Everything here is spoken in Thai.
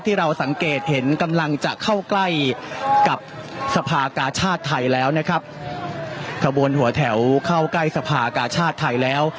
ที่เราสังเกตเห็นกำลังจะเข้าใกล้กับสภากาชาติไทยแล้วนะครับขบวนหัวแถวเข้าใกล้สภากาชาติไทยแล้ว